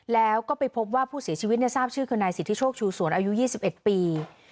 แล้วก็ไปพบว่าผู้เสียชีวิตทราบชื่อคือนายสิทธิโชคชูสวนอายุ๒๑ปี